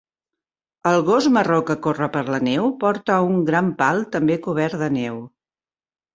El gos marró que corre per la neu porta un gran pal també cobert de neu